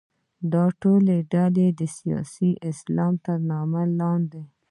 دا ټولې ډلې د سیاسي اسلام تر نامه لاندې دي.